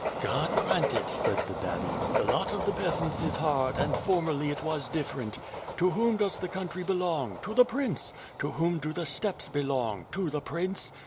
"God grant it," said the daddy. "The lot of the peasants is hard, and formeriy it was different." "To whom does the country belong? To the prince! To whom do the steppes belong? To the prince!